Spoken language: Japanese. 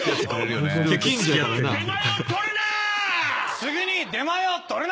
すぐに出前を取るな！